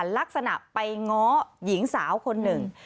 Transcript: ลักษณะไปง้อหญิงสาวคนหนึ่ง